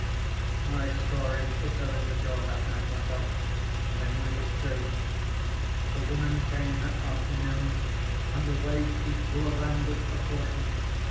"I saw him kiss her in the door that night myself, and I knew it was true. The woman came that afternoon, and the way she flew around was a caution.